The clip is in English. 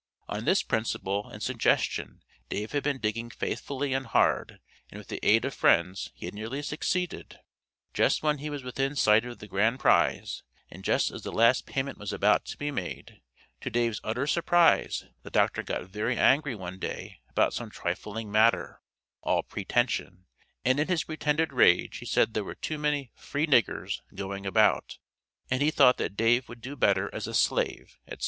On this principle and suggestion Dave had been digging faithfully and hard, and with the aid of friends he had nearly succeeded. Just when he was within sight of the grand prize, and just as the last payment was about to be made, to Dave's utter surprise the Doctor got very angry one day about some trifling matter (all pretension) and in his pretended rage he said there were too many "free niggers" going about, and he thought that Dave would do better as a slave, etc.